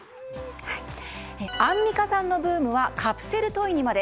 アンミカさんのブームはカプセルトイにまで。